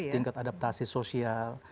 tingkat adaptasi sosial